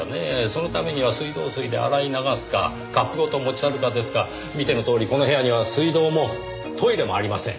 そのためには水道水で洗い流すかカップごと持ち去るかですが見てのとおりこの部屋には水道もトイレもありません。